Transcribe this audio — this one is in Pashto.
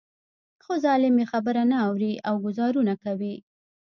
خو ظالم يې خبره نه اوري او ګوزارونه کوي.